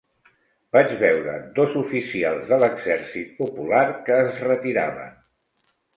Vaig veure dos oficials de l'Exèrcit Popular que es retiraven